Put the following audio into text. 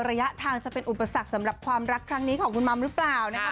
ระยะทางจะเป็นอุปสรรคสำหรับความรักครั้งนี้ของคุณมัมหรือเปล่านะคะ